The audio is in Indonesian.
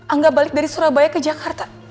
anggap balik dari surabaya ke jakarta